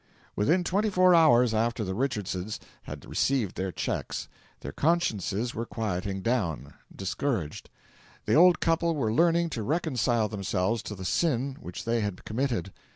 Within twenty four hours after the Richardses had received their cheques their consciences were quieting down, discouraged; the old couple were learning to reconcile themselves to the sin which they had committed.